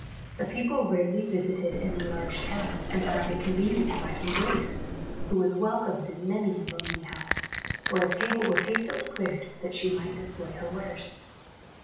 The people rarely visited any large town, and found it convenient to buy from Grace, who was welcomed in many a lonely house, where a table was hastily cleared, that she might display her wares.